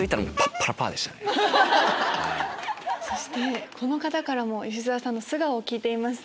そしてこの方からも吉沢さんの素顔を聞いています。